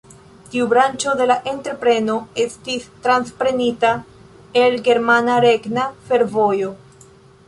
Tiu branĉo de la entrepreno estis transprenita el "Germana Regna Fervojo".